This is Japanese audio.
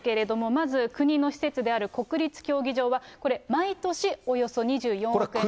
まず、国の施設である国立競技場は、これ毎年およそ２４億円。